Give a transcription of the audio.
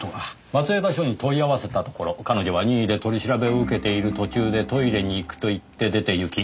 松枝署に問い合わせたところ彼女は任意で取り調べを受けている途中でトイレに行くと言って出ていき